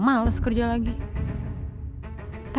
ya besok itu ada casting iklan